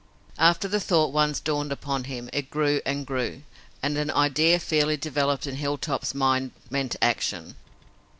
After the thought once dawned upon him, it grew and grew, and an idea fairly developed in Hilltop's mind meant action.